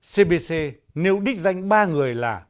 cbc nếu đích danh ba người là